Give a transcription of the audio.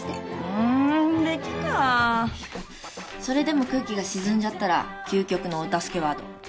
それでも空気が沈んじゃったら究極のお助けワード。